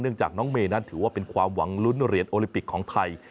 จากน้องเมย์นั้นถือว่าเป็นความหวังลุ้นเหรียญโอลิมปิกของไทย